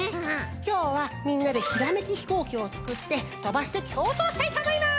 きょうはみんなでひらめきヒコーキをつくってとばしてきょうそうしたいとおもいます！